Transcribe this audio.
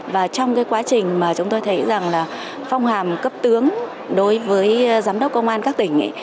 và trong cái quá trình mà chúng tôi thấy rằng là phong hàm cấp tướng đối với giám đốc công an các tỉnh